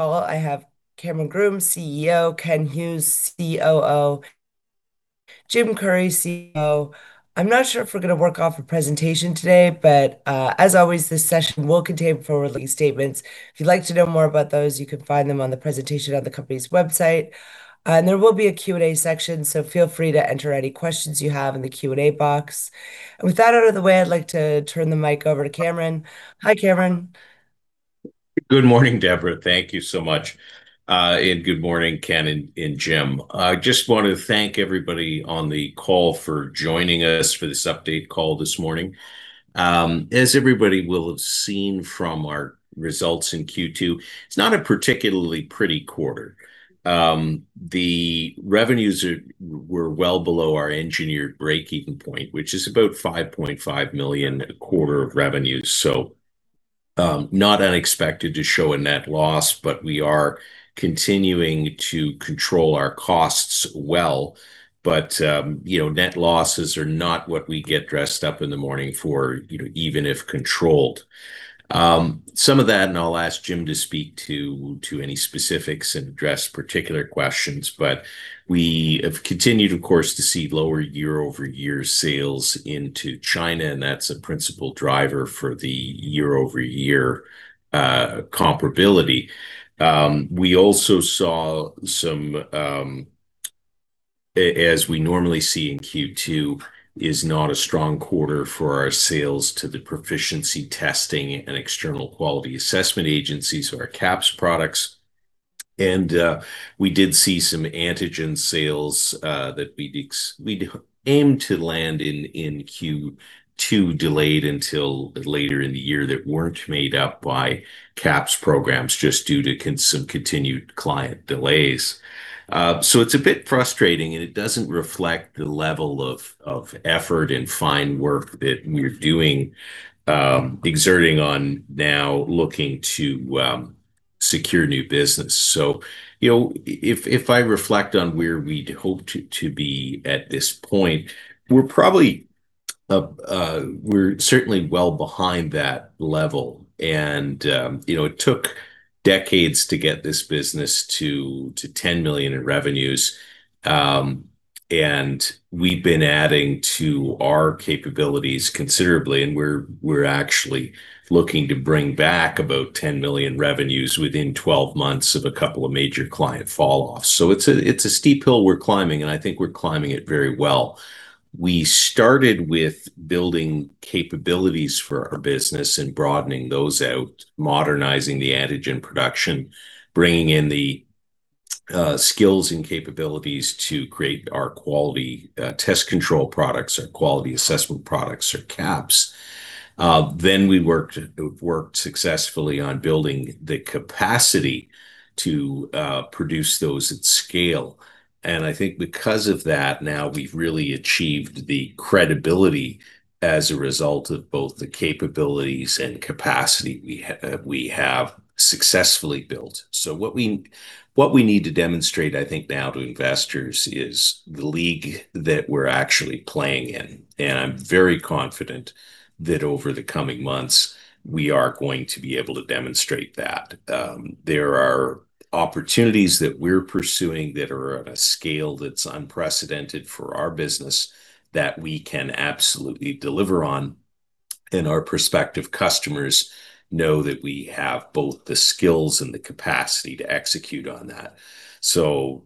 I have Cameron Groome, CEO, Ken Hughes, COO, Jim Currie, CFO. I'm not sure if we're gonna work off a presentation today, but as always, this session will contain forward-looking statements. If you'd like to know more about those, you can find them on the presentation on the company's website. There will be a Q&A section, so feel free to enter any questions you have in the Q&A box. With that out of the way, I'd like to turn the mic over to Cameron. Hi, Cameron. Good morning, Deborah. Thank you so much. Good morning, Ken and Jim. I just want to thank everybody on the call for joining us for this update call this morning. As everybody will have seen from our results in Q2, it's not a particularly pretty quarter. The revenues were well below our engineered breakeven point, which is about 5.5 million a quarter of revenues. Not unexpected to show a net loss, we are continuing to control our costs well. You know, net losses are not what we get dressed up in the morning for, you know, even if controlled. Some of that, and I'll ask Jim to speak to any specifics and address particular questions, but we have continued, of course, to see lower year-over-year sales into China, and that's a principal driver for the year-over-year comparability. We also saw some, as we normally see in Q2, is not a strong quarter for our sales to the proficiency testing and external quality assessment agencies, so our QAPs products. We did see some antigen sales that we'd aimed to land in Q2, delayed until later in the year, that weren't made up by QAPs programs just due to some continued client delays. It's a bit frustrating, and it doesn't reflect the level of effort and fine work that we're doing, exerting on now looking to secure new business. You know, if I reflect on where we'd hoped to be at this point, we're probably, we're certainly well behind that level. You know, it took decades to get this business to 10 million in revenues. We've been adding to our capabilities considerably; we're actually looking to bring back about 10 million in revenues within 12 months of a couple of major client fall-offs. It's a steep hill we're climbing, and I think we're climbing it very well. We started with building capabilities for our business and broadening those out, modernizing the antigen production, bringing in the skills and capabilities to create our quality test control products, our Quality Assessment Products or QAPs. We worked successfully on building the capacity to produce those at scale. I think because of that, now we've really achieved the credibility as a result of both the capabilities and capacity we have successfully built. What we need to demonstrate, I think, now to investors is the league that we're actually playing in. I'm very confident that over the coming months, we are going to be able to demonstrate that. There are opportunities that we're pursuing that are at a scale that's unprecedented for our business that we can absolutely deliver on, and our prospective customers know that we have both the skills and the capacity to execute on that.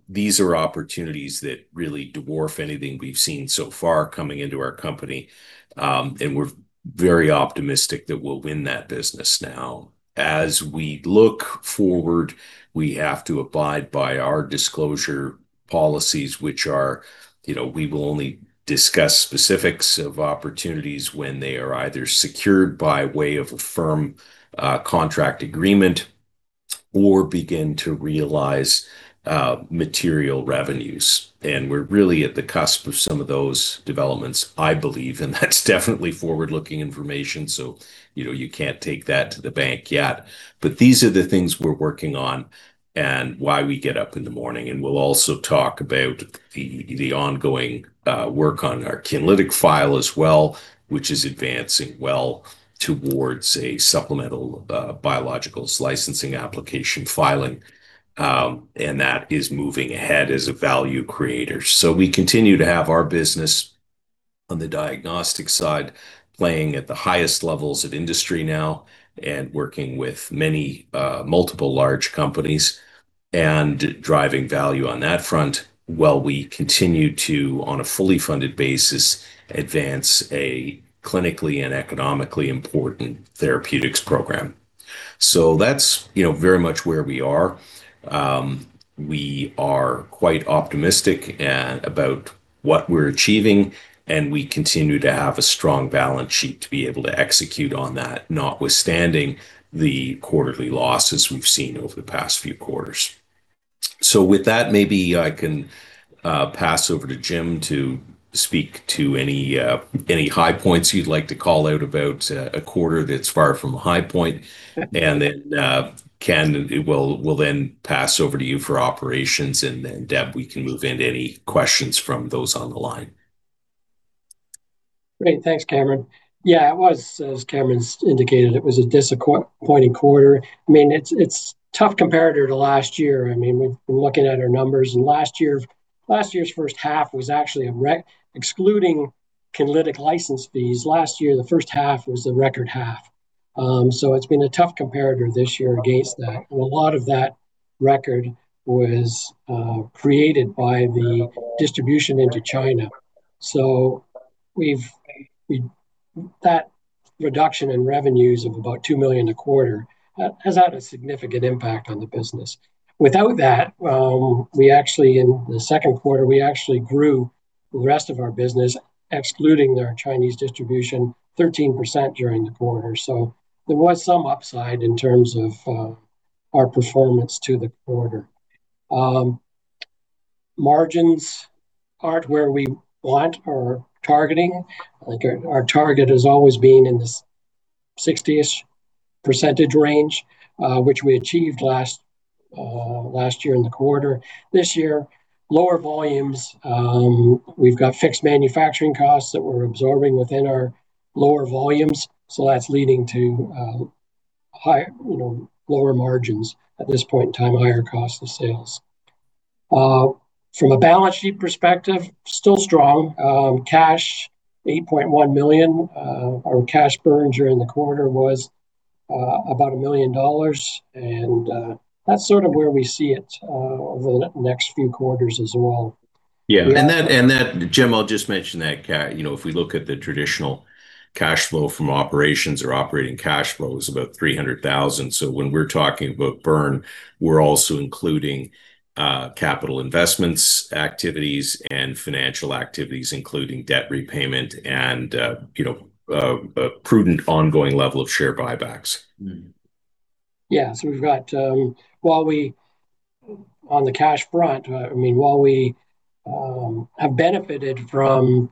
These are opportunities that really dwarf anything we've seen so far coming into our company. We're very optimistic that we'll win that business now. As we look forward, we have to abide by our disclosure policies, which are, you know, we will only discuss specifics of opportunities when they are either secured by way of a firm contract agreement or begin to realize material revenues. We're really at the cusp of some of those developments, I believe, and that's definitely forward-looking information, so you know, you can't take that to the bank yet. These are the things we're working on and why we get up in the morning. We'll also talk about the ongoing work on our Kinlytic file as well, which is advancing well towards a supplemental biologicals licensing application filing. That is moving ahead as a value creator. We continue to have our business on the diagnostic side playing at the highest levels of industry now and working with many multiple large companies and driving value on that front, while we continue to, on a fully funded basis, advance a clinically and economically important therapeutics program. That's, you know, very much where we are. We are quite optimistic about what we're achieving, and we continue to have a strong balance sheet to be able to execute on that, notwithstanding the quarterly losses we've seen over the past few quarters. With that, maybe I can pass over to Jim to speak to any high points you'd like to call out about a quarter that's far from a high point. Ken, we'll then pass over to you for operations, and then Deb, we can move into any questions from those on the line. Great. Thanks, Cameron. Yeah, it was, as Cameron's indicated, it was a disappointing quarter. I mean, it's tough comparator to last year. I mean, we've been looking at our numbers, and last year, last year's first half was actually excluding Kinlytic license fees; last year, the first half was the record half. It's been a tough comparator this year against that. A lot of that record was created by the distribution into China. That reduction in revenues of about 2 million a quarter has had a significant impact on the business. Without that, we actually, in the second quarter, we actually grew the rest of our business, excluding our Chinese distribution, 13% during the quarter. There was some upside in terms of our performance to the quarter. Margins aren't where we want or targeting. Our target has always been in the 60-ish % range, which we achieved last year in the quarter. This year, lower volumes. We've got fixed manufacturing costs that we're absorbing within our lower volumes, that's leading to, you know, lower margins at this point in time, higher cost of sales. From a balance sheet perspective, still strong. Cash, 8.1 million. Our cash burn during the quarter was about CAD 1 million; that's sort of where we see it over the next few quarters as well. Yeah. Jim, I'll just mention that you know, if we look at the traditional cash flow from operations, or operating cash flow is about 300,000. When we're talking about burn, we're also including capital investments, activities, and financial activities, including debt repayment and, you know, a prudent ongoing level of share buybacks. Yeah. On the cash front, I mean, while we have benefited from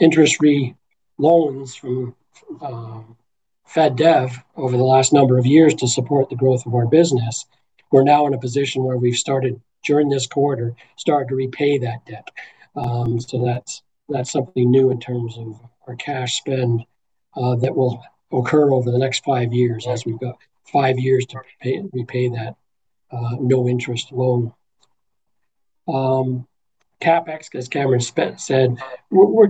interest-free loans from FedDev over the last number of years to support the growth of our business, we're now in a position where we've started, during this quarter, to repay that debt. That's something new in terms of our cash spend that will occur over the next five years, as we've got five years to repay that no-interest loan. CapEx, as Cameron said, we're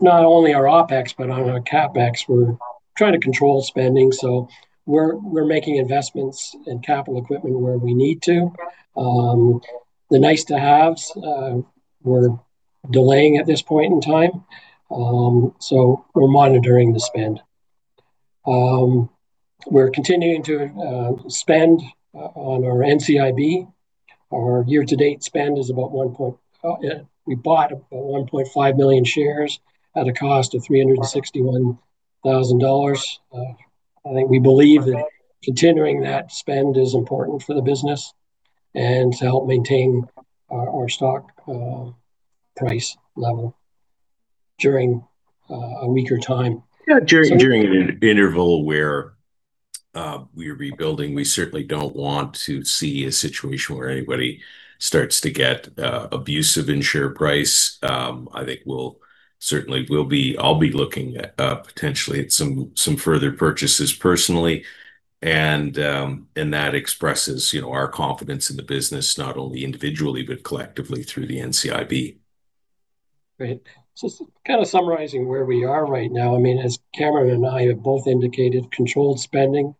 not only our OpEx, but on our CapEx, we're trying to control spending, we're making investments in capital equipment where we need to. The nice to haves, we're delaying at this point in time. We're monitoring the spend. We're continuing to spend on our NCIB. We bought about 1.5 million shares at a cost of 361,000 dollars. I think we believe that continuing that spend is important for the business and to help maintain our stock price level during a weaker time. Yeah. During an interval where we're rebuilding, we certainly don't want to see a situation where anybody starts to get abusive in share price. I think I'll be looking at potentially at some further purchases personally, and that expresses, you know, our confidence in the business, not only individually, but collectively through the NCIB. Great. Kind of summarizing where we are right now, I mean, as Cameron and I have both indicated, controlled spending.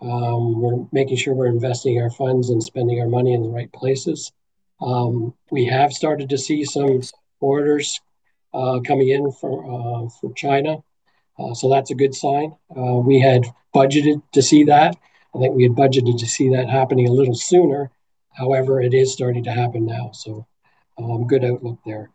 We're making sure we're investing our funds and spending our money in the right places. We have started to see some orders coming in from China. That's a good sign. We had budgeted to see that. I think we had budgeted to see that happening a little sooner. It is starting to happen now. Good outlook there.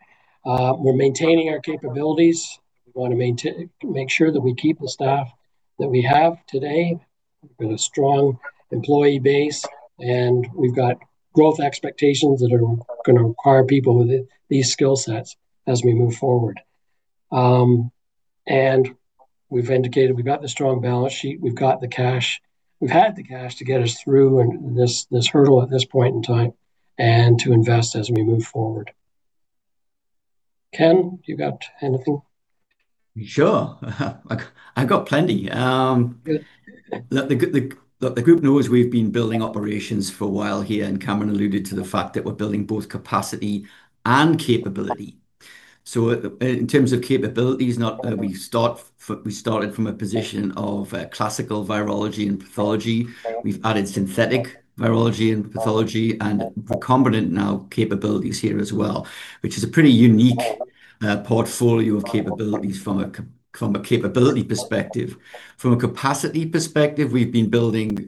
We're maintaining our capabilities. We wanna make sure that we keep the staff that we have today. We've got a strong employee base, and we've got growth expectations that are gonna require people with these skill sets as we move forward. We've indicated we've got the strong balance sheet, we've got the cash. We've had the cash to get us through and this hurdle at this point in time and to invest as we move forward. Ken, you got anything? Sure. I got plenty. The group knows we've been building operations for a while here. Cameron alluded to the fact that we're building both capacity and capability. In terms of capabilities, not, we started from a position of classical virology and pathology. We've added synthetic virology and pathology, and recombinant now capabilities here as well, which is a pretty unique portfolio of capabilities from a capability perspective. From a capacity perspective, we've been building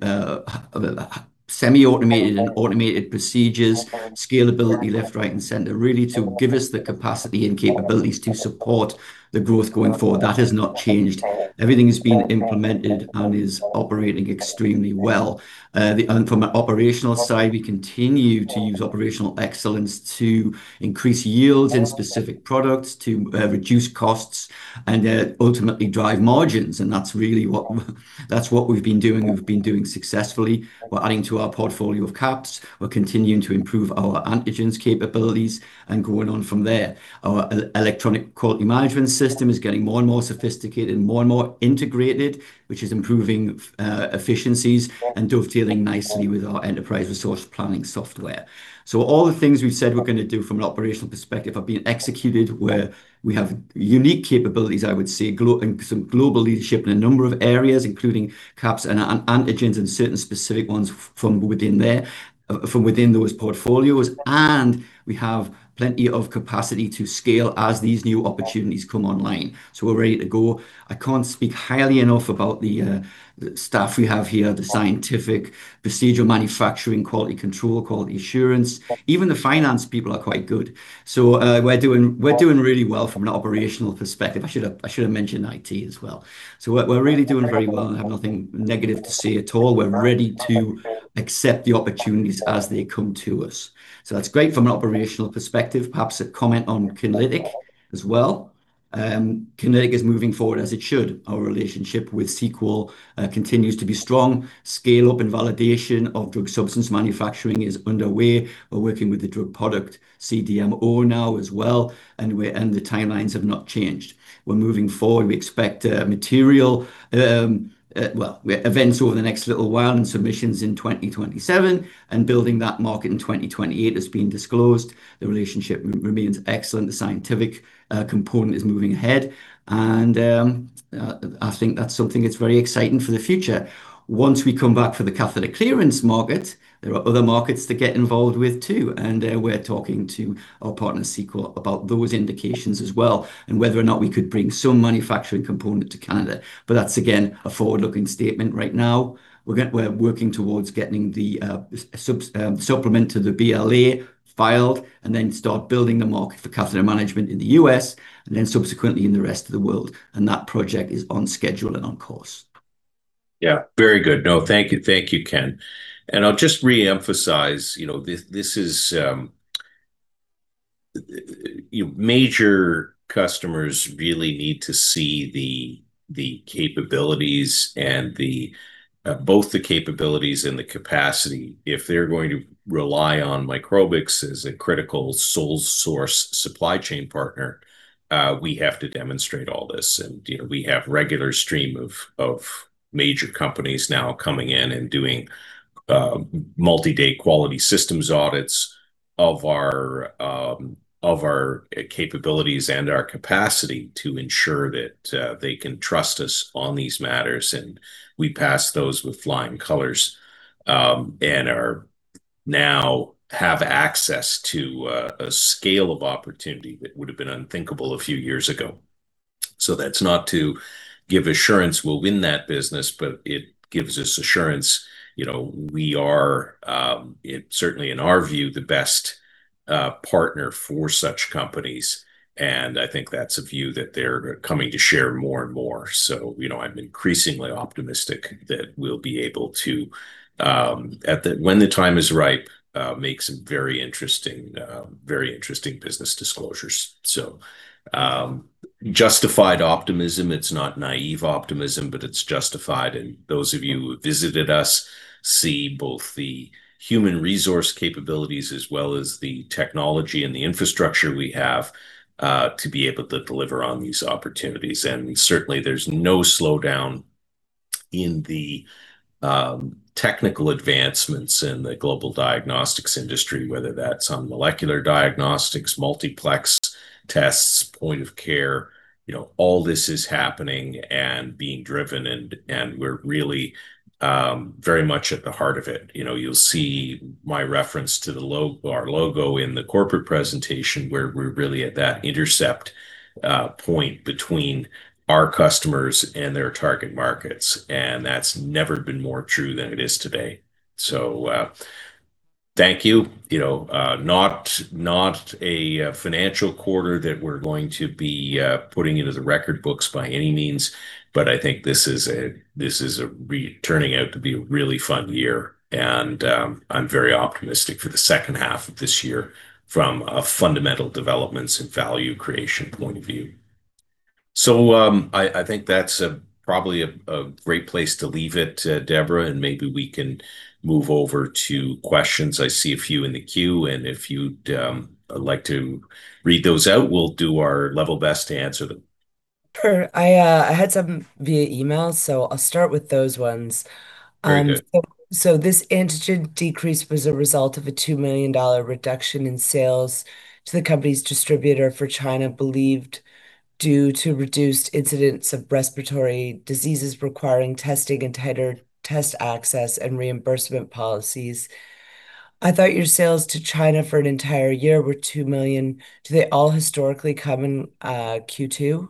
semi-automated and automated procedures, scalability left, right, and center, really to give us the capacity and capabilities to support the growth going forward. That has not changed. Everything has been implemented and is operating extremely well. From an operational side, we continue to use operational excellence to increase yields in specific products to reduce costs and ultimately drive margins, and that's what we've been doing. We've been doing successfully. We're adding to our portfolio of QAPs. We're continuing to improve our antigens capabilities and going on from there. Our electronic quality management system is getting more and more sophisticated and more and more integrated, which is improving efficiencies and dovetailing nicely with our enterprise resource planning software. All the things we've said we're gonna do from an operational perspective are being executed where we have unique capabilities, I would say, and some global leadership in a number of areas, including QAPs and antigens and certain specific ones from within there, from within those portfolios. We have plenty of capacity to scale as these new opportunities come online. We're ready to go. I can't speak highly enough about the staff we have here, the scientific, procedural manufacturing, quality control, quality assurance. Even the finance people are quite good. We're doing really well from an operational perspective. I should have mentioned IT as well. We're really doing very well. I have nothing negative to say at all. We're ready to accept the opportunities as they come to us. That's great from an operational perspective. Perhaps a comment on Kinlytic as well. Kinlytic is moving forward as it should. Our relationship with Sequel continues to be strong. Scale-up and validation of drug substance manufacturing is underway. We're working with the drug product CDMO now as well. The timelines have not changed. We're moving forward. We expect material events over the next little while and submissions in 2027, building that market in 2028 as being disclosed. The relationship remains excellent. The scientific component is moving ahead. I think that's something that's very exciting for the future. Once we come back for the catheter clearance market, there are other markets to get involved with, too. We're talking to our partner Sequel about those indications as well, and whether or not we could bring some manufacturing component to Canada. That's again a forward-looking statement right now. We're working towards getting the supplement to the BLA filed and then start building the market for catheter management in the U.S., and then subsequently in the rest of the world, and that project is on schedule and on course. Yeah. Very good. No, thank you. Thank you, Ken. I'll just reemphasize, you know, this is, you know, major customers really need to see the capabilities and the both the capabilities and the capacity. If they're going to rely on Microbix as a critical sole source supply chain partner, we have to demonstrate all this. We have regular stream of major companies now coming in and doing multi-day quality systems audits of our capabilities and our capacity to ensure that they can trust us on these matters. We pass those with flying colors, and now have access to a scale of opportunity that would have been unthinkable a few years ago. That's not to give assurance we'll win that business, but it gives us assurance, you know, we are, certainly in our view, the best partner for such companies, and I think that's a view that they're coming to share more and more. You know, I'm increasingly optimistic that we'll be able to, at the, when the time is ripe, make some very interesting, very interesting business disclosures. Justified optimism. It's not naive optimism, but it's justified. And those of you who visited us see both the human resource capabilities as well as the technology and the infrastructure we have, to be able to deliver on these opportunities. And certainly, there's no slowdown in the technical advancements in the global diagnostics industry, whether that's on molecular diagnostics, multiplex tests, point of care. You know, all this is happening and being driven, and we're really very much at the heart of it. You know, you'll see my reference to our logo in the corporate presentation where we're really at that intercept point between our customers and their target markets, and that's never been more true than it is today. Thank you. You know, not a financial quarter that we're going to be putting into the record books by any means, but I think this is turning out to be a really fun year. I'm very optimistic for the second half of this year from a fundamental developments and value creation point of view. I think that's probably a great place to leave it, Deborah, and maybe we can move over to questions. I see a few in the queue, and if you'd like to read those out, we'll do our level best to answer them. I had some via email, so I'll start with those ones. Very good. This antigen decrease was a result of a 2 million dollar reduction in sales to the company's distributor for China, believed due to reduced incidence of respiratory diseases requiring testing and tighter test access and reimbursement policies. I thought your sales to China for an entire year were 2 million. Do they all historically come in Q2?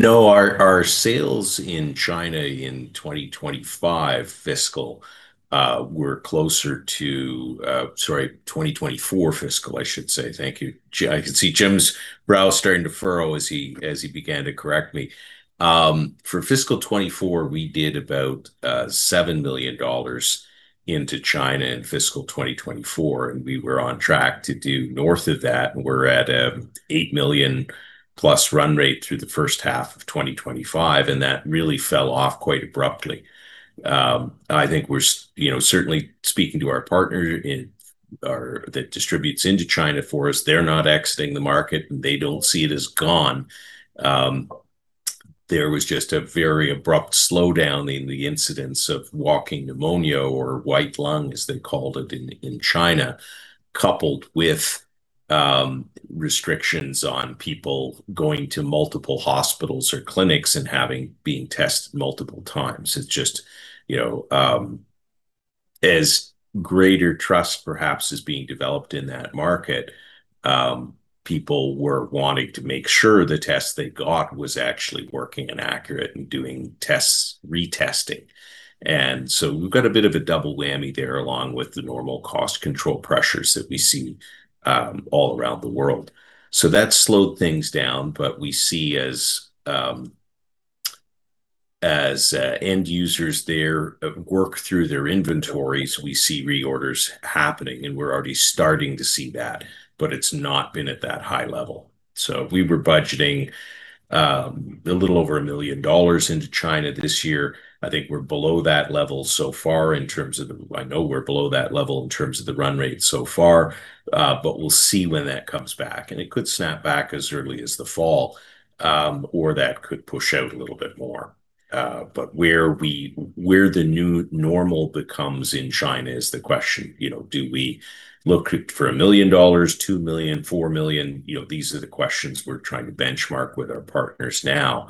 No. Our sales in China in 2025 fiscal, were closer to, sorry, 2024 fiscal, I should say. Thank you. I could see Jim's brow starting to furrow as he began to correct me. For fiscal 2024, we did about 7 million dollars into China in fiscal 2024, and we were on track to do north of that. We're at +8 million run rate through the first half of 2025, and that really fell off quite abruptly. I think we're, you know, certainly speaking to our partner in, or that distributes into China for us, they're not exiting the market, and they don't see it as gone. There was just a very abrupt slowdown in the incidence of walking pneumonia or white lung, as they called it in China, coupled with restrictions on people going to multiple hospitals or clinics and being tested multiple times. It's just, you know, as greater trust perhaps is being developed in that market, people were wanting to make sure the test they got was actually working and accurate, and doing tests, retesting. We've got a bit of a double whammy there, along with the normal cost control pressures that we see all around the world. That slowed things down, but we see as end users there, work through their inventories, we see reorders happening, and we're already starting to see that. It's not been at that high level. We were budgeting a little over 1 million dollars into China this year. I think we're below that level so far in terms of the run rate. I know we're below that level in terms of the run rate so far. We'll see when that comes back, and it could snap back as early as the fall, or that could push out a little bit more. Where the new normal becomes in China is the question. You know, do we look for 1 million dollars, 2 million, 4 million? You know, these are the questions we're trying to benchmark with our partners now.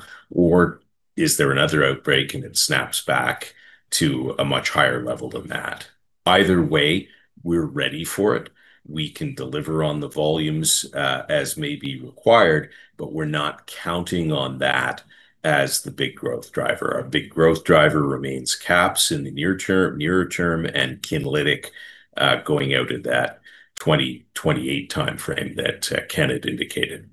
Is there another outbreak, and it snaps back to a much higher level than that? Either way, we're ready for it. We can deliver on the volumes as may be required, but we're not counting on that as the big growth driver. Our big growth driver remains QAPs in the near term, nearer term, and Kinlytic going out at that 2028 timeframe that Ken had indicated.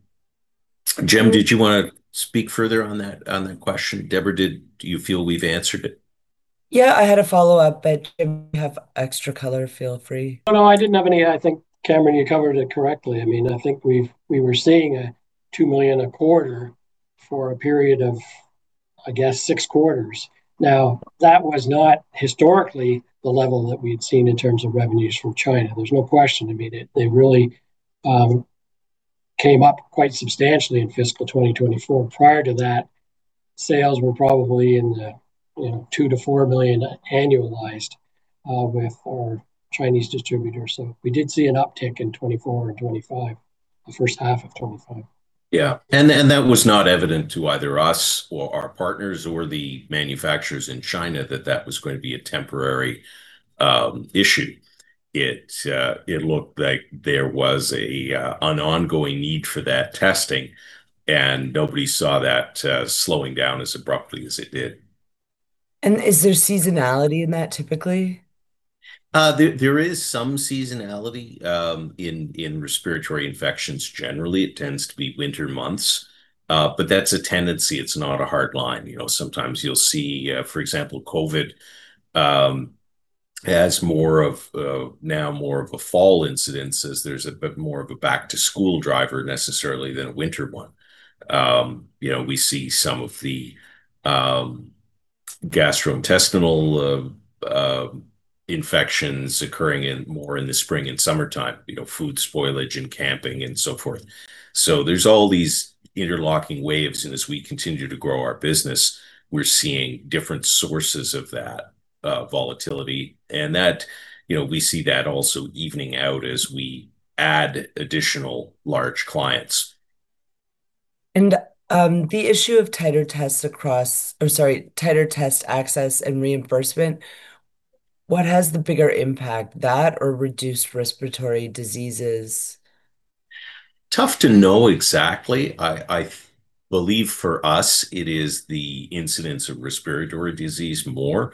Jim, did you wanna speak further on that, on that question? Deborah, do you feel we've answered it? Yeah, I had a follow-up, but Jim, if you have extra color, feel free. Oh, no, I didn't have any. I think, Cameron, you covered it correctly. I mean, I think we were seeing 2 million a quarter for a period of, I guess, six quarters. That was not historically the level that we had seen in terms of revenues from China. There's no question. I mean, they really came up quite substantially in fiscal 2024. Prior to that, sales were probably in the, you know, 2 million-4 million annualized with our Chinese distributors. We did see an uptick in 2024 and 2025, the first half of 2025. Yeah. That was not evident to either us or our partners, or the manufacturers in China that that was going to be a temporary issue. It looked like there was an ongoing need for that testing, and nobody saw that slowing down as abruptly as it did. Is there seasonality in that typically? There is some seasonality in respiratory infections generally. It tends to be winter months. That's a tendency. It's not a hard line, you know. Sometimes you'll see, for example, COVID has now more of a fall incidence as there's a bit more of a back-to-school driver, necessarily than a winter one. You know, we see some of the gastrointestinal infections occurring more in the spring and summertime. You know, food spoilage and camping and so forth. There's all these interlocking waves. As we continue to grow our business, we're seeing different sources of that volatility, and that, you know, we see that also evening out as we add additional large clients. The issue of tighter test access and reimbursement, what has the bigger impact, that or reduced respiratory diseases? Tough to know exactly. I believe for us, it is the incidence of respiratory disease more.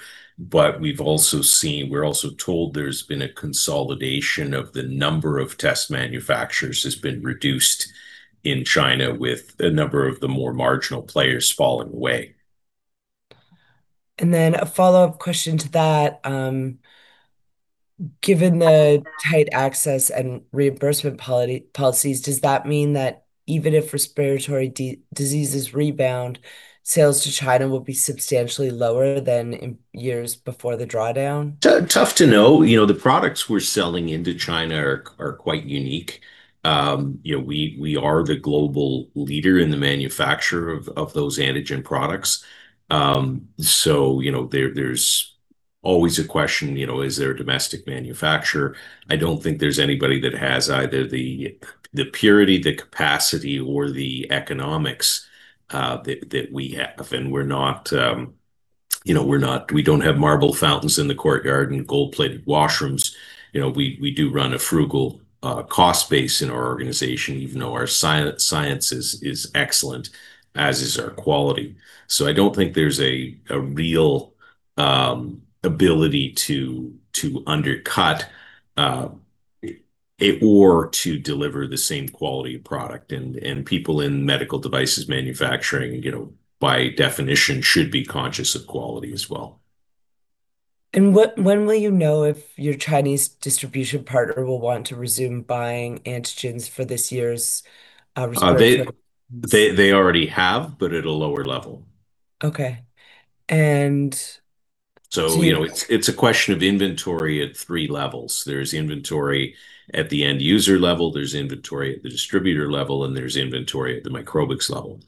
We've also seen. We're also told there's been a consolidation of the number of test manufacturers has been reduced in China, with a number of the more marginal players falling away. A follow-up question to that. Given the tight access and reimbursement policies, does that mean that even if respiratory diseases rebound, sales to China will be substantially lower than in years before the drawdown? Tough to know. You know, the products we're selling into China are quite unique. You know, we are the global leader in the manufacture of those antigen products. You know, there's always a question, you know, is there a domestic manufacturer? I don't think there's anybody that has either the purity, the capacity, or the economics that we have. We're not, you know, we don't have marble fountains in the courtyard and gold-plated washrooms. You know, we do run a frugal cost base in our organization even though our science is excellent, as is our quality. I don't think there's a real ability to undercut it, or to deliver the same quality of product. People in medical devices manufacturing, you know, by definition should be conscious of quality as well. What, when will you know if your Chinese distribution partner will want to resume buying antigens for this year's? They already have, but at a lower level. Okay. You know, it's a question of inventory at three levels. There's inventory at the end user level, there's inventory at the distributor level, and there's inventory at the Microbix level.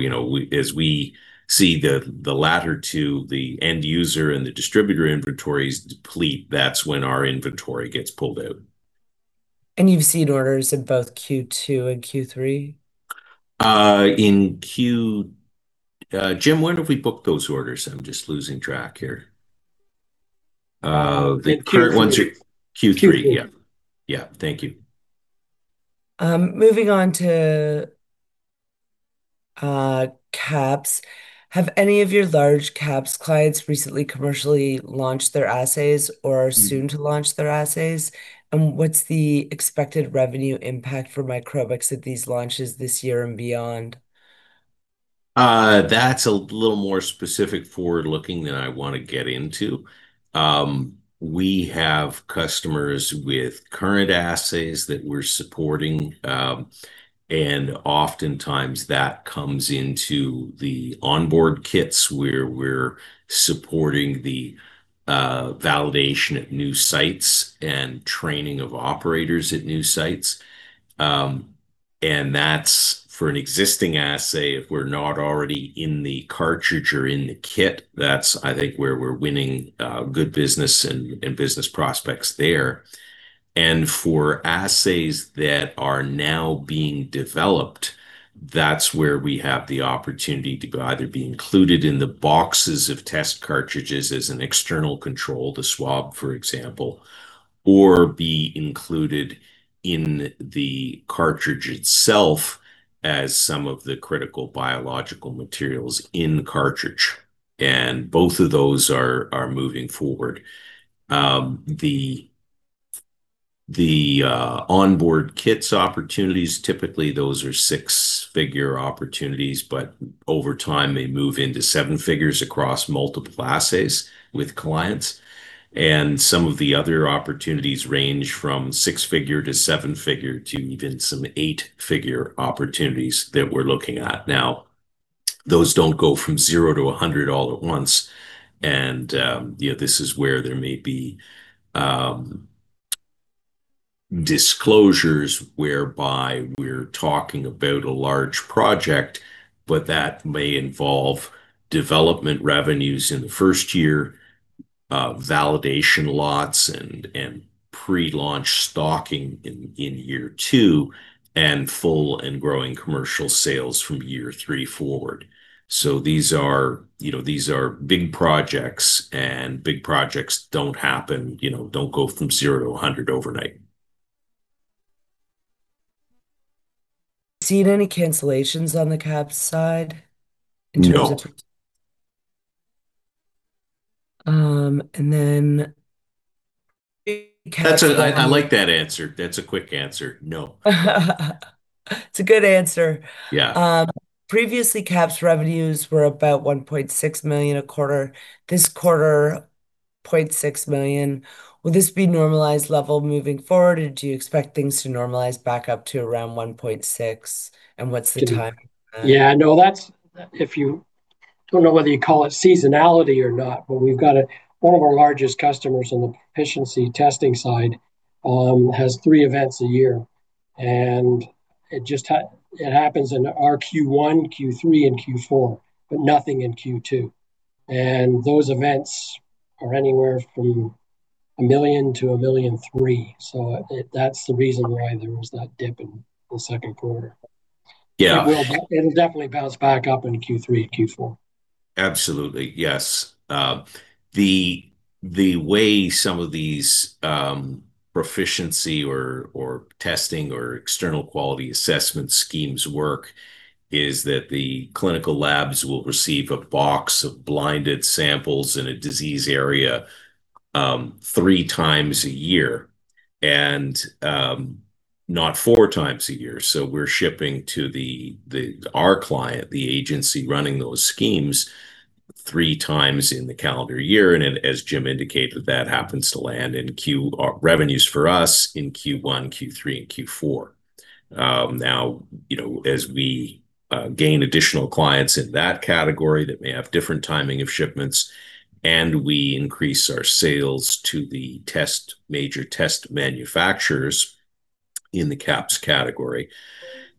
You know, we, as we see the latter two, the end user and the distributor inventories deplete, that's when our inventory gets pulled out. You've seen orders in both Q2 and Q3? Jim, when have we booked those orders? I'm just losing track here. In Q3. The current ones are Q3. Q3. Yeah. Thank you. Moving on to QAPs. Have any of your large QAPs clients recently commercially launched their assays or soon to launch their assays? What's the expected revenue impact for Microbix at these launches this year and beyond? That's a little more specific, forward-looking than I want to get into. We have customers with current assays that we're supporting. Oftentimes, that comes into the onboard kits where we're supporting the validation at new sites and training of operators at new sites. That's for an existing assay if we're not already in the cartridge or in the kit. That's, I think, where we're winning good business and business prospects there. For assays that are now being developed, that's where we have the opportunity to go, either be included in the boxes of test cartridges as an external control, the swab, for example, or be included in the cartridge itself as some of the critical biological materials in the cartridge. Both of those are moving forward. The onboard kits opportunities, typically those are six-figure opportunities, but over time they move into seven figures across multiple assays with clients. Some of the other opportunities range from six-figure to seven-figure to even some eight-figure opportunities that we're looking at now. Those don't go from 0 to 100 all at once, you know, this is where there may be disclosures whereby we're talking about a large project, but that may involve development revenues in the first year, validation lots and pre-launch stocking in year two, and full and growing commercial sales from year three forward. These are, you know, these are big projects, and big projects don't happen, you know, don't go from 0 to 100 overnight. Seen any cancellations on the CapEx side in terms of? No. And then That's, I like that answer. That's a quick answer. No. It's a good answer. Yeah. Previously, QAPs revenues were about 1.6 million a quarter. This quarter, 0.6 million. Will this be normalized level moving forward, or do you expect things to normalize back up to around 1.6 million, and what's the time on that? Yeah, no, that's, if you don't know whether you call it seasonality or not, but we've got one of our largest customers on the proficiency testing side, has three events a year, and it just happens in our Q1, Q3, and Q4, but nothing in Q2. Those events are anywhere from 1 million-1.3 million; that's the reason why there was that dip in the second quarter. Yeah. It'll definitely bounce back up into Q3 and Q4. Absolutely. Yes. The way some of these proficiency or testing or external quality assessment schemes work is that the clinical labs will receive a box of blinded samples in a disease area, three times a year and not four times a year. We're shipping to our client, the agency running those schemes, three times in the calendar year. As Jim indicated, that happens to land in revenues for us in Q1, Q3, and Q4. Now, you know, as we gain additional clients in that category that may have different timing of shipments, and we increase our sales to the major test manufacturers in the QAPs category.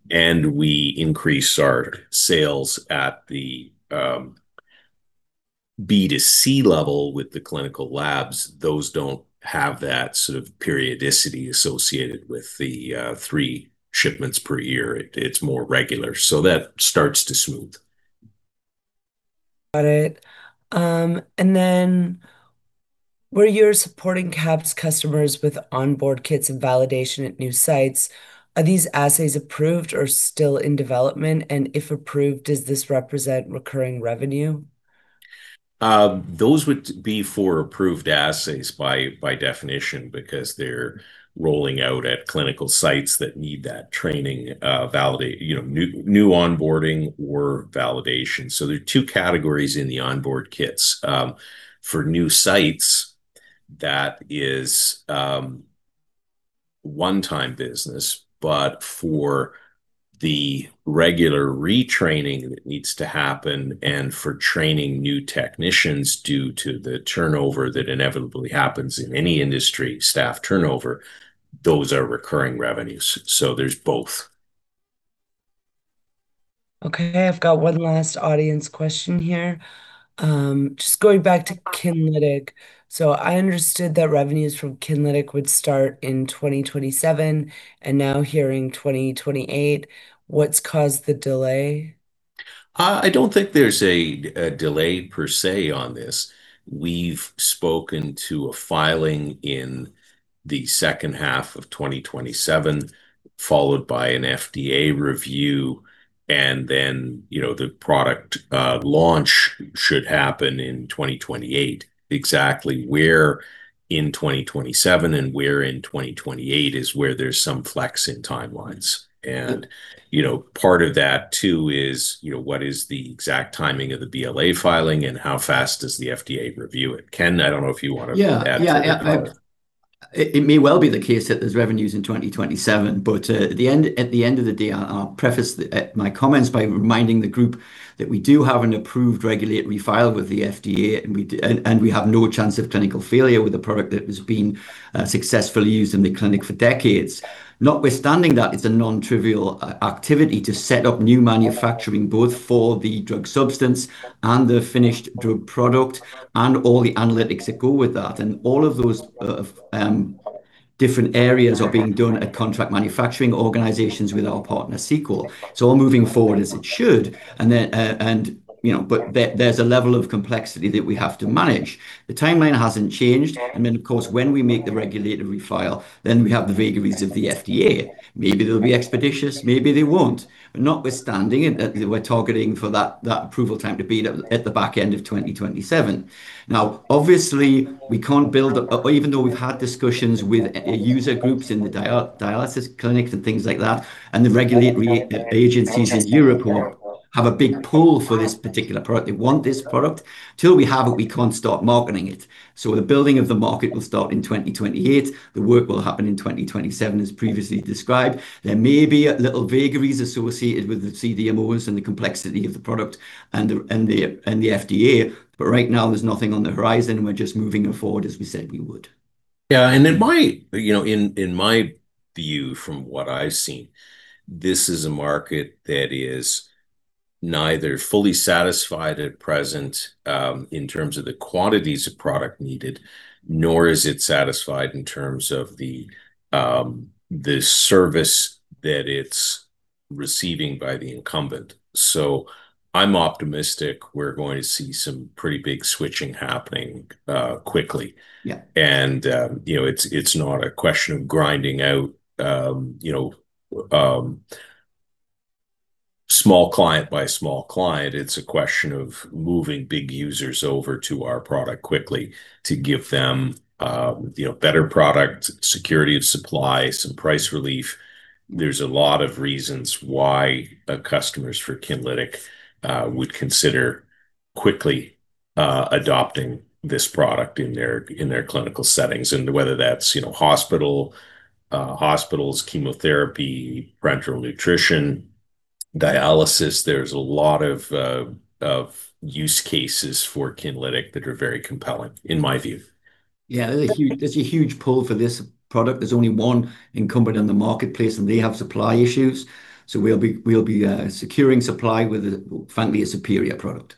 We increase our sales at the B2C level with the clinical labs. Those don't have that sort of periodicity associated with the three shipments per year. It's more regular. That starts to smooth. Got it. Where you're supporting QAPs customers with onboard kits and validation at new sites, are these assays approved or still in development? If approved, does this represent recurring revenue? Those would be for approved assays by definition because they're rolling out at clinical sites that need that training, validate, you know, new onboarding or validation. There are two categories in the onboard kits. For new sites, that is, one-time business. For the regular retraining that needs to happen and for training new technicians due to the turnover that inevitably happens in any industry, staff turnover, those are recurring revenues. There's both. Okay. I've got one last audience question here. Just going back to Kinlytic. I understood that revenues from Kinlytic would start in 2027, and now hearing 2028. What's caused the delay? I don't think there's a delay per se on this. We've spoken to a filing in the second half of 2027, followed by an FDA review, then, you know, the product launch should happen in 2028. Exactly where in 2027 and where in 2028 is where there's some flex in timelines. You know, part of that too is, you know, what is the exact timing of the BLA filing, and how fast does the FDA review it? Ken, I don't know if you wanna add to that. Yeah. Yeah. It may well be the case that there's revenues in 2027, but at the end, at the end of the day, I'll preface my comments by reminding the group that we do have an approved regulatory file with the FDA, and we have no chance of clinical failure with a product that has been successfully used in the clinic for decades. Notwithstanding that, it's a non-trivial activity to set up new manufacturing, both for the drug substance and the finished drug product, and all the analytics that go with that. All of those different areas are being done at contract manufacturing organizations with our partner, Sequel. It's all moving forward as it should. Then, you know, there's a level of complexity that we have to manage. The timeline hasn't changed. Of course, when we make the regulatory file, we have the vagaries of the FDA. Maybe they'll be expeditious, maybe they won't. Notwithstanding it, we're targeting for that approval time to be at the back end of 2027. Obviously, we can't build even though we've had discussions with user groups in the dialysis clinics and things like that, the regulatory agencies in Europe all have a big pull for this particular product. They want this product. Till we have it, we can't start marketing it. The building of the market will start in 2028. The work will happen in 2027 as previously described. There may be little vagaries associated with the CDMOs and the complexity of the product and the FDA. Right now, there's nothing on the horizon. We're just moving forward as we said we would. Yeah. In my, you know, in my view from what I've seen, this is a market that is neither fully satisfied at present, in terms of the quantities of product needed, nor is it satisfied in terms of the service that it's receiving by the incumbent. I'm optimistic we're going to see some pretty big switching happening quickly. Yeah. You know, it's not a question of grinding out, you know, small client by small client. It's a question of moving big users over to our product quickly to give them, you know, better product, security of supply, some price relief. There's a lot of reasons why customers for Kinlytic would consider quickly adopting this product in their, in their clinical settings. Whether that's, you know, hospital, hospitals, chemotherapy, parenteral nutrition, dialysis, there's a lot of use cases for Kinlytic that are very compelling, in my view. Yeah. There's a huge pull for this product. There's only one incumbent in the marketplace, and they have supply issues, so we'll be securing supply with frankly, a superior product.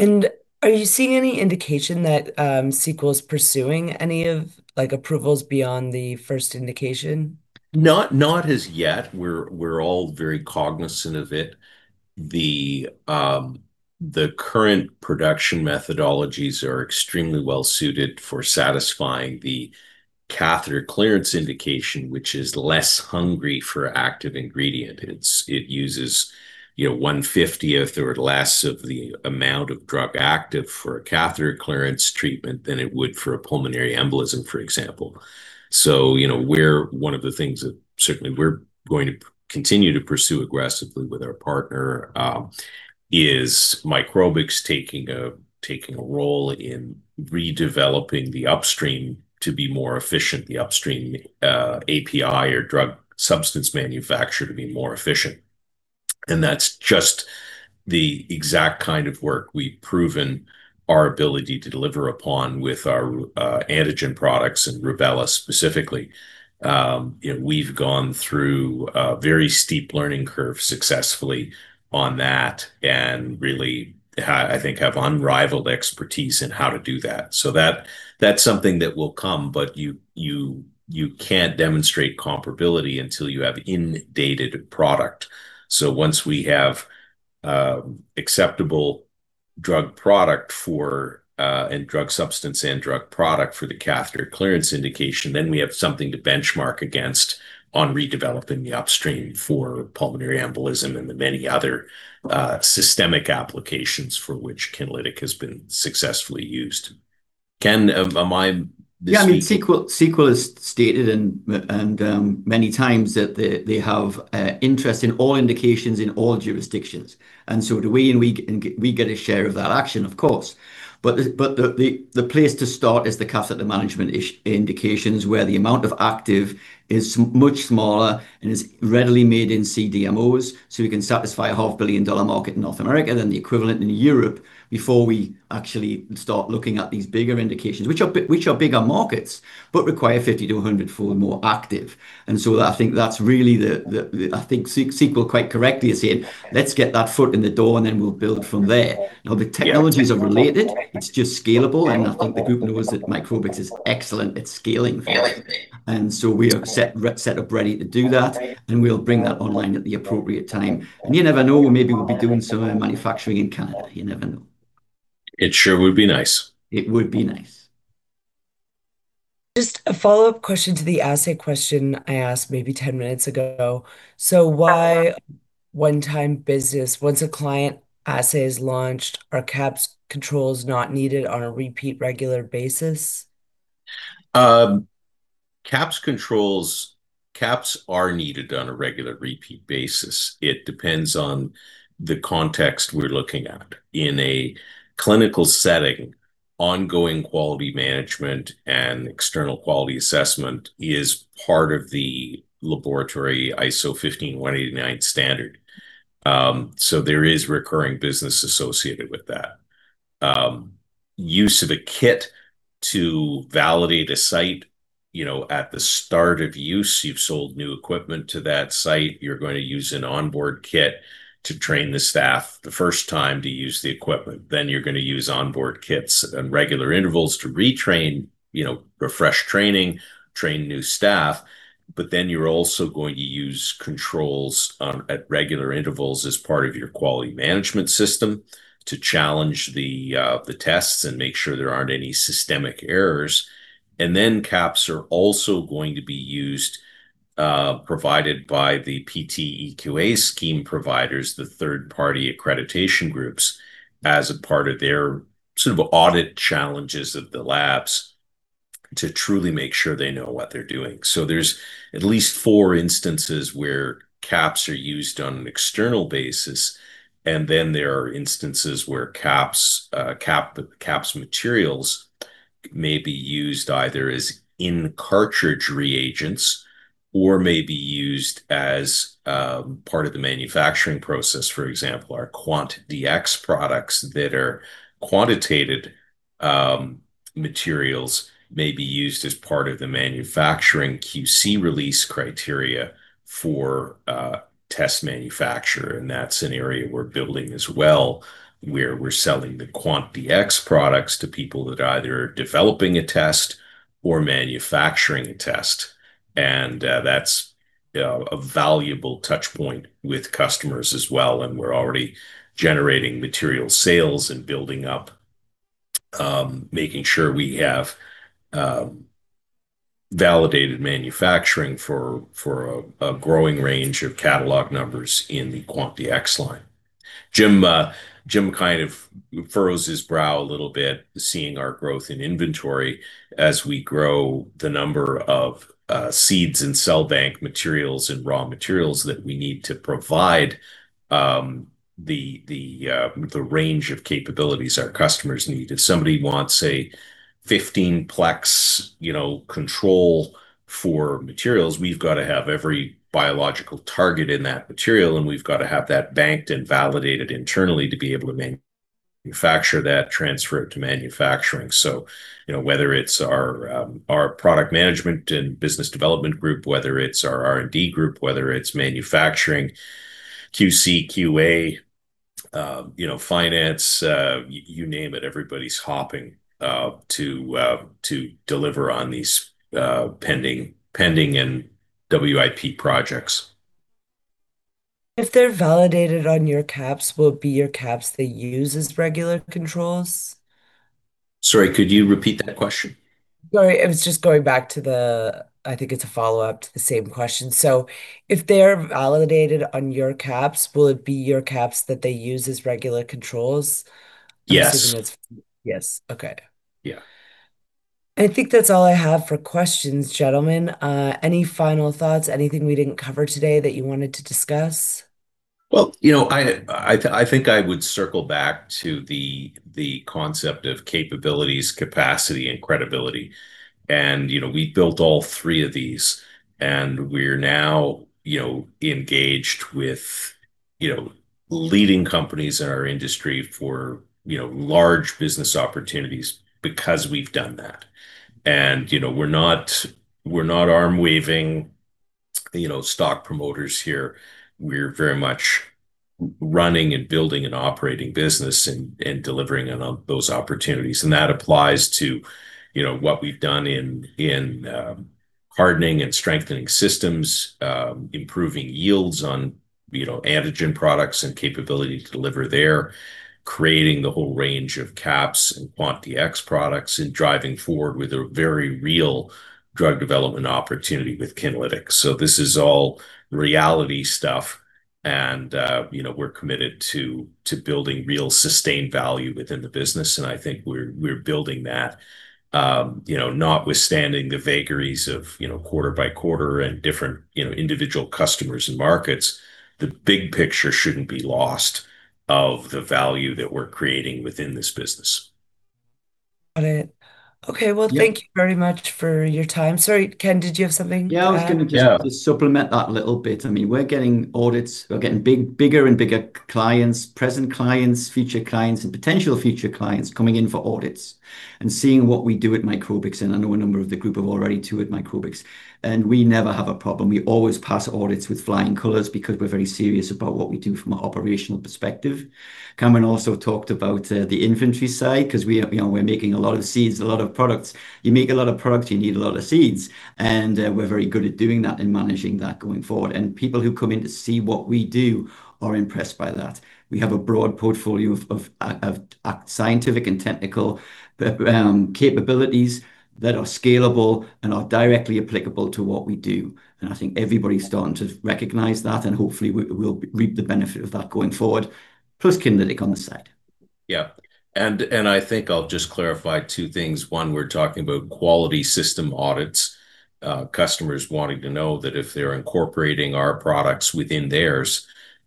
Are you seeing any indication that Sequel's pursuing any of approvals beyond the first indication? Not as yet. We're all very cognizant of it. The current production methodologies are extremely well-suited for satisfying the catheter clearance indication, which is less hungry for active ingredient. It uses, you know, 1/50 or less of the amount of drug active for a catheter clearance treatment than it would for a pulmonary embolism, for example. You know, one of the things that certainly we're going to continue to pursue aggressively with our partner is Microbix taking a role in redeveloping the upstream to be more efficient, the upstream API or drug substance manufacture to be more efficient. That's just the exact kind of work we've proven our ability to deliver upon with our antigen products, and Rubella specifically. You know, we've gone through a very steep learning curve successfully on that, and really, I think have unrivaled expertise in how to do that. That, that's something that will come, but you can't demonstrate comparability until you have in-dated product. Once we have acceptable drug product for and drug substance and drug product for the catheter clearance indication, then we have something to benchmark against on redeveloping the upstream for pulmonary embolism and the many other systemic applications for which Kinlytic has been successfully used. Ken, am I misspeaking? Yeah, I mean, Sequel has stated and many times that they have interest in all indications in all jurisdictions. Do we, and we get a share of that action, of course. But the place to start is the catheter management indications, where the amount of active is much smaller and is readily made in CDMOs, so we can satisfy a half billion dollar market in North America, then the equivalent in Europe, before we actually start looking at these bigger indications, which are bigger markets, but require 50-100-fold more active. I think that's really, I think Sequel quite correctly is saying, "Let's get that foot in the door, we'll build from there." Now, the technologies are related. It's just scalable. I think the group knows that Microbix is excellent at scaling. We are set up ready to do that, and we'll bring that online at the appropriate time. You never know, maybe we'll be doing some manufacturing in Canada. You never know. It sure would be nice. It would be nice. A follow-up question to the assay question I asked maybe 10 minutes ago. Why one-time business? Once a client assay is launched, are QAPs controls not needed on a repeat regular basis? QAPs controls, QAPs are needed on a regular repeat basis. It depends on the context we're looking at. In a clinical setting, ongoing quality management and external quality assessment is part of the laboratory ISO 15189 standard. There is recurring business associated with that. Use of a kit to validate a site, you know, at the start of use, you've sold new equipment to that site. You're going to use an onboard kit to train the staff the first time to use the equipment. You're gonna use onboard kits on regular intervals to retrain, you know, refresh training, train new staff. You're also going to use controls at regular intervals as part of your quality management system to challenge the tests and make sure there aren't any systemic errors. QAPs are also going to be used, provided by the PT/EQA scheme providers, the third-party accreditation groups, as a part of their sort of audit challenges of the labs to truly make sure they know what they're doing. There's at least four instances where QAPs are used on an external basis, and then there are instances where QAPs materials may be used either as in-cartridge reagents or may be used as part of the manufacturing process. For example, our QUANTDx products that are quantitated materials may be used as part of the manufacturing QC release criteria for a test manufacturer, and that's an area we're building as well, where we're selling the QUANTDx products to people that are either developing a test or manufacturing a test. That's a valuable touchpoint with customers as well, and we're already generating material sales and building up, making sure we have validated manufacturing for a growing range of catalog numbers in the QUANTDx line. Jim kind of furrows his brow a little bit, seeing our growth in inventory as we grow the number of seeds and cell bank materials and raw materials that we need to provide the range of capabilities our customers need. If somebody wants a 15-plex, you know, control for materials, we've got to have every biological target in that material, and we've got to have that banked and validated internally to be able to manufacture that, transfer it to manufacturing. You know, whether it's our product management and business development group, whether it's our R&D group, whether it's manufacturing, QC, QA, you know, finance, you name it, everybody's hopping to deliver on these pending and WIP projects. If they're validated on your QAPs, will it be your QAPs they use as regular controls? Sorry, could you repeat that question? Sorry, I was just going back to the, I think it's a follow-up to the same question. If they're validated on your QAPs, will it be your QAPs that they use as regular controls? Yes. I'm assuming it's, yes. Okay. Yeah. I think that's all I have for questions, gentlemen. Any final thoughts? Anything we didn't cover today that you wanted to discuss? Well, you know, I think I would circle back to the concept of capabilities, capacity, and credibility. You know, we built all three of these, and we're now, you know, engaged with leading companies in our industry for, you know, large business opportunities because we've done that. You know, we're not, we're not arm-waving, you know, stock promoters here. We're very much running and building an operating business and delivering on those opportunities, and that applies to, you know, what we've done in hardening and strengthening systems, improving yields on, you know, antigen products and capability to deliver there, creating the whole range of QAPs and QUANTDx products, and driving forward with a very real drug development opportunity with Kinlytic. This is all reality stuff, and you know, we're committed to building real sustained value within the business, and I think we're building that. You know, notwithstanding the vagaries of, you know, quarter by quarter and different, you know, individual customers and markets, the big picture shouldn't be lost of the value that we're creating within this business. Got it. Okay. Yeah. Well, thank you very much for your time. Sorry, Ken, did you have something? Yeah, I was gonna just supplement that a little bit. I mean, we're getting audits. We're getting bigger and bigger clients, present clients, future clients, and potential future clients coming in for audits and seeing what we do at Microbix, and I know a number of the group have already toured Microbix. We never have a problem. We always pass audits with flying colors because we're very serious about what we do from an operational perspective. Cameron also talked about the infantry side, 'cause we, you know, we're making a lot of seeds, a lot of products. You make a lot of products, you need a lot of seeds, and we're very good at doing that and managing that going forward. People who come in to see what we do are impressed by that. We have a broad portfolio of scientific and technical capabilities that are scalable and are directly applicable to what we do, and I think everybody's starting to recognize that, and hopefully we'll reap the benefit of that going forward, plus Kinlytic on the side. Yeah. I think I'll just clarify two things. One, we're talking about quality system audits, customers wanting to know that if they're incorporating our products within theirs,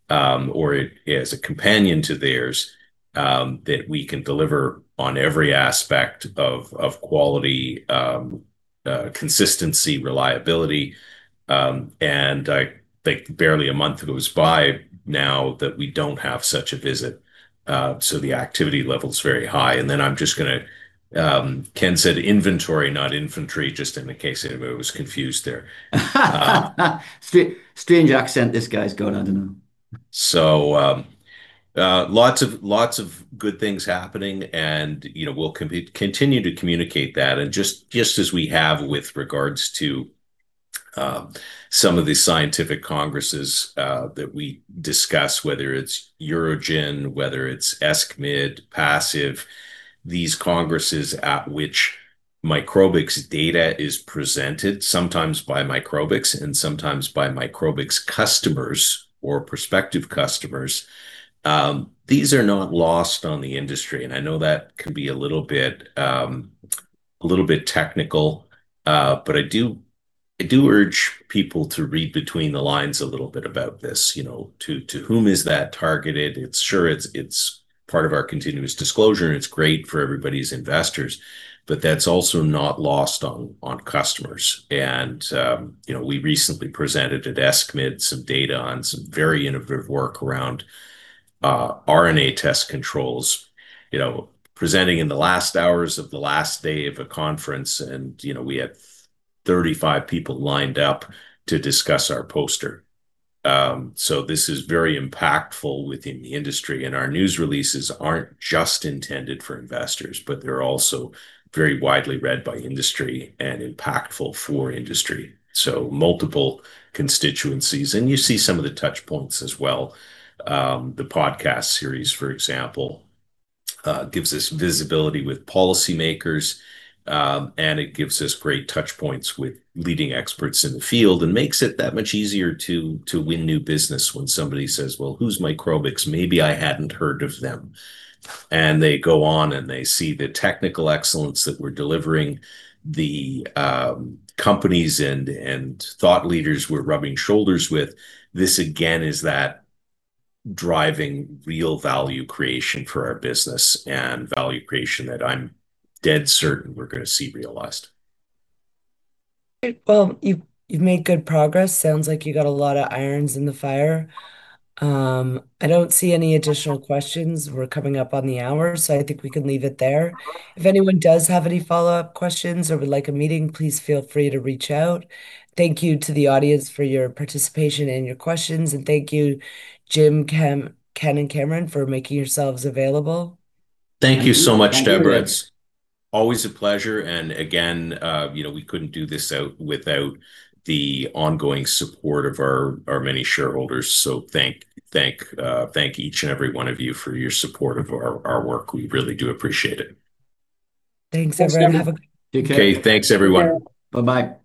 or as a companion to theirs, that we can deliver on every aspect of quality, consistency, reliability. I think barely a month goes by now that we don't have such a visit. The activity level's very high. I'm just gonna, Ken said inventory, not infantry, just in the case anybody was confused there. Strange accent this guy's got. I don't know. Lots of good things happening, and you know, we'll continue to communicate that. Just as we have with regards to some of the scientific congresses that we discuss, whether it's EUROGIN, whether it's ESCMID, PASCV, these congresses at which Microbix data is presented, sometimes by Microbix and sometimes by Microbix customers or prospective customers, these are not lost on the industry. I know that can be a little bit, a little bit technical, but I do urge people to read between the lines a little bit about this. You know, to whom is that targeted? It's sure, it's part of our continuous disclosure, and it's great for everybody as investors, but that's also not lost on customers. You know, we recently presented at ESCMID some data on some very innovative work around RNA test controls. You know, presenting in the last hours of the last day of a conference and, you know, we had 35 people lined up to discuss our poster. This is very impactful within the industry. Our news releases aren't just intended for investors, but they're also very widely read by industry and impactful for industry, so multiple constituencies. You see some of the touch points as well. The podcast series, for example, gives us visibility with policymakers, and it gives us great touch points with leading experts in the field and makes it that much easier to win new business when somebody says, "Well, who's Microbix? Maybe I hadn't heard of them." They go on, and they see the technical excellence that we're delivering the companies and thought leaders we're rubbing shoulders with. This, again, is that driving real value creation for our business and value creation that I'm dead certain we're gonna see realized. Great. Well, you've made good progress. Sounds like you got a lot of irons in the fire. I don't see any additional questions. We're coming up on the hour. I think we can leave it there. If anyone does have any follow-up questions or would like a meeting, please feel free to reach out. Thank you to the audience for your participation and your questions, and thank you, Jim, Ken, and Cameron, for making yourselves available. Thank you so much, Deborah. Thank you. It's always a pleasure, you know, we couldn't do this without the ongoing support of our many shareholders. Thank each and every one of you for your support of our work. We really do appreciate it. Thanks, everyone. Thanks, Deborah. Okay. Thanks, everyone. Take care. Bye-bye.